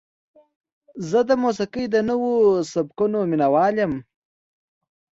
زه د موسیقۍ د نوو سبکونو مینهوال یم.